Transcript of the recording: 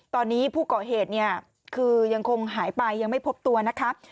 ตอนนี้ผู้ก่อเหตุเนี่ยคือยังคงหายไปยังไม่พบตัวนะคะ